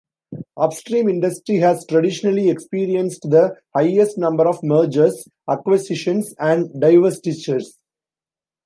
Upstream Industry has traditionally experienced the highest number of Mergers, Acquisitions and Divestitures.